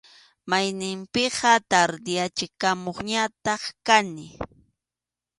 Mayninpiqa tardeyachikamuqñataq kani.